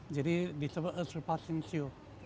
jadi disebut a surpassing show